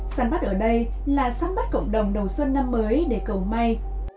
săn bắt ở đây là sắn bắt cộng đồng đầu xuân năm mới để cầu may